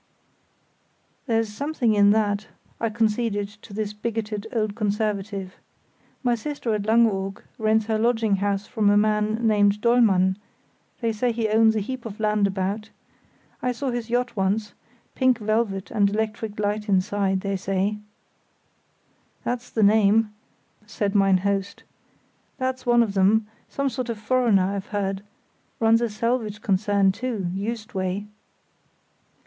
"There's something in that," I conceded to this bigoted old conservative; "my sister at Langeoog rents her lodging house from a man named Dollmann; they say he owns a heap of land about. I saw his yacht once—pink velvet and electric light inside, they say——" "That's the name," said mine host, "that's one of them—some sort of foreigner, I've heard; runs a salvage concern, too, Juist way."